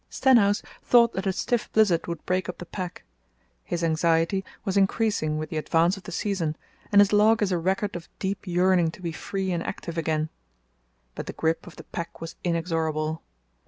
Stenhouse thought that a stiff blizzard would break up the pack. His anxiety was increasing with the advance of the season, and his log is a record of deep yearning to be free and active again. But the grip of the pack was inexorable.